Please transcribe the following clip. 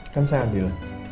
kan saya adil